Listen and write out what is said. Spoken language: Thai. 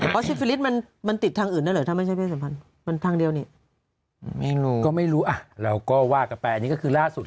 ก็คงมีร่องลอยมีเพศสัมพันธ์